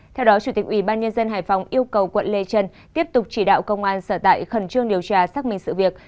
theo đó chủ tịch ubnd hải phòng yêu cầu quận lê trân tiếp tục chỉ đạo công an sở tại khẩn trương điều tra xác minh sự việc